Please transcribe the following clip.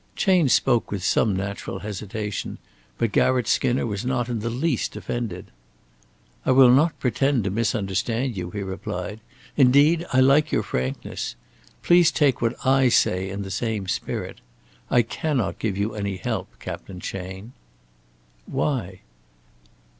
Chayne spoke with some natural hesitation, but Garratt Skinner was not in the least offended. "I will not pretend to misunderstand you," he replied. "Indeed, I like your frankness. Please take what I say in the same spirit. I cannot give you any help, Captain Chayne." "Why?"